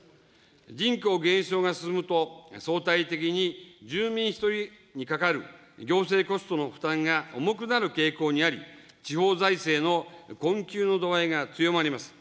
人口減少が進むと、相対的に住民一人にかかる行政コストの負担が重くなる傾向にあり、地方財政の困窮の度合いが強まります。